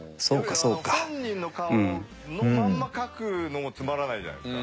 やっぱり本人の顔のまま描くのもつまらないじゃないですか。